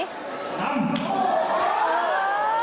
ดำ